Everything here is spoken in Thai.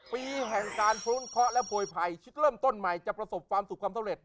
ปีแห่งการพ้นเคาะและโพยภัยชิดเริ่มต้นใหม่จะประสบความสุขความสำเร็จ